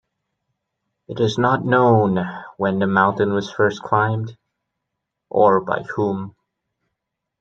It is not known when the mountain was first climbed, or by whom.